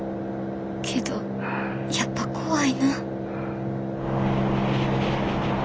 けどやっぱ怖いな。